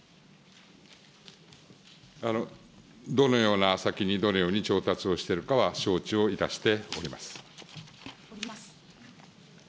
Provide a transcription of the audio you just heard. どのような先に、どのように調達をしているかは承知をいたしております。